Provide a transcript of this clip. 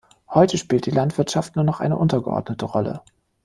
Heute spielt die Landwirtschaft nur noch eine untergeordnete Rolle.